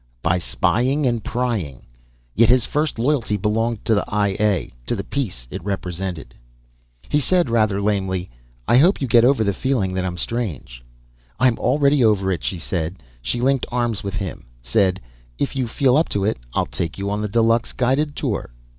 By spying and prying. Yet, his first loyalty belonged to the I A, to the peace it represented. He said rather lamely: "I hope you get over the feeling that I'm strange." "I'm over it already," she said. She linked arms with him, said: "If you feel up to it, I'll take you on the deluxe guided tour."